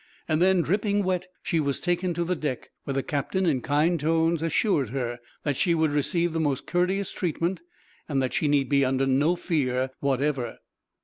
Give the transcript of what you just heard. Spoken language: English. Then, dripping wet, she was taken to the deck, where the captain, in kind tones, assured her that she would receive the most courteous treatment, and that she need be under no fear, whatever.